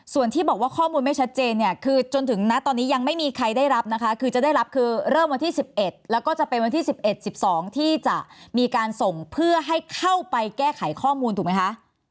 ส่วนที่บอกว่าข้อมูลไม่ชัดเจนเนี่ยคือจนถึงณตอนนี้ยังไม่มีใครได้รับนะคะคือจะได้รับคือเริ่มวันที่๑๑แล้วก็จะเป็นวันที่๑๑๑๒ที่จะมีการส่งเพื่อให้เข้าไปแก้ไขข้อมูลถูกไหมคะ